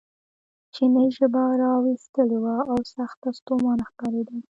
چیني ژبه را ویستلې وه او سخت ستومانه ښکارېده.